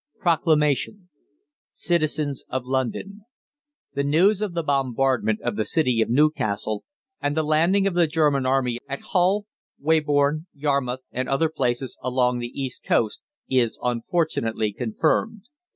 PROCLAMATION. CITIZENS OF LONDON. THE NEWS OF THE BOMBARDMENT of the City of Newcastle and the landing of the German Army at Hull, Weybourne, Yarmouth, and other places along the East Coast is unfortunately confirmed.